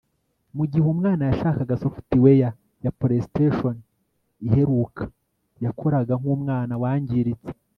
Mugihe umwana yashakaga software ya PlayStation iheruka yakoraga nkumwana wangiritse